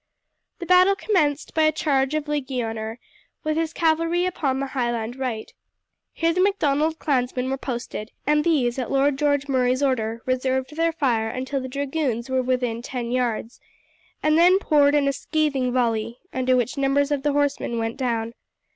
The battle commenced by a charge of Ligonier with his cavalry upon the Highland right. Here the Macdonald clansmen were posted, and these, at Lord George Murray's order, reserved their fire until the dragoons were within ten yards, and then poured in a scathing volley, under which numbers of the horsemen went down.